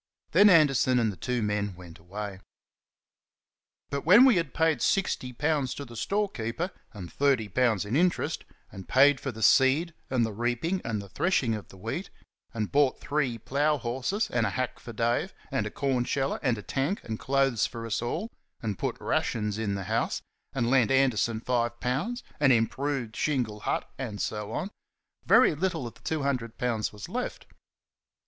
Then Anderson and the two men went away. But when we had paid sixty pounds to the storekeeper and thirty pounds in interest; and paid for the seed and the reaping and threshing of the wheat; and bought three plough horses, and a hack for Dave; and a corn sheller, and a tank, and clothes for us all; and put rations in the house; and lent Anderson five pounds; and improved Shingle Hut; and so on; very little of the two hundred pounds was left.